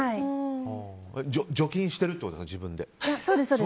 除菌してるってことですか